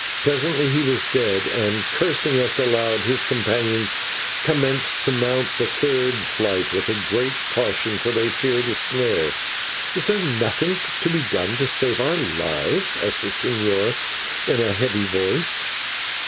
Presently he was dead, and, cursing us aloud, his companions commenced to mount the third flight with great caution, for they feared a snare. "Is there nothing to be done to save our lives?" asked the señor, in a heavy voice.